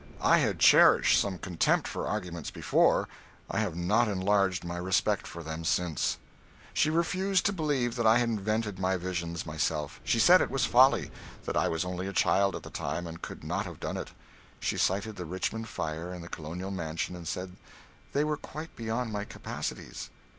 I had cherished some contempt for arguments before, I have not enlarged my respect for them since. She refused to believe that I had invented my visions myself; she said it was folly: that I was only a child at the time and could not have done it. She cited the Richmond fire and the colonial mansion and said they were quite beyond my capacities.